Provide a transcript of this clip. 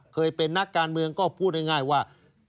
เคยเป็นนักการเมืองก็พูดง่ายว่า